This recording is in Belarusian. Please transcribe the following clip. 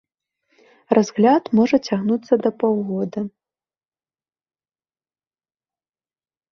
Разгляд можа цягнуцца да паўгода.